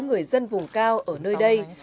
người dân vùng cao ở nơi đây